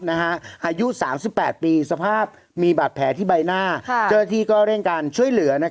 อายุ๓๘ปีสภาพมีบาดแผลที่ใบหน้าเจ้าหน้าที่ก็เร่งการช่วยเหลือ